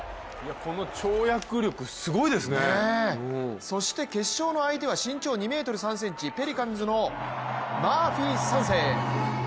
この跳躍力すごいですよねそして決勝の相手は身長２０３ｃｍペリカンズのマーフィー３世。